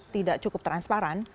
tidak cukup transparan